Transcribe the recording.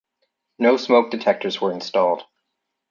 No smoke detectors were installed.